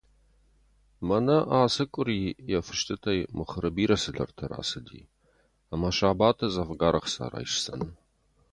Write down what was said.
Мӕнӕ ацы къуыри йӕ фыстытӕй мыхуыры бирӕ цыдӕртӕ рацыди ӕмӕ сабаты дзӕвгар ӕхца райсдзӕн.